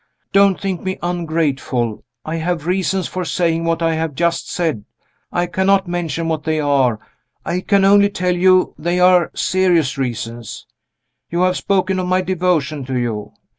Don't think me ungrateful. I have reasons for saying what I have just said I cannot mention what they are I can only tell you they are serious reasons. You have spoken of my devotion to you.